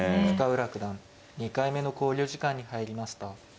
深浦九段２回目の考慮時間に入りました。